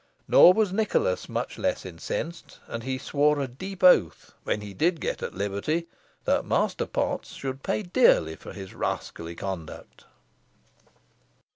Nor was Nicholas much less incensed, and he swore a deep oath when he did get at liberty that Master Potts should pay dearly for his rascally conduct.